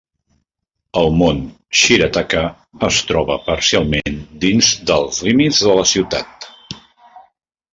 El mont Shirataka es troba parcialment dins dels límits de la ciutat.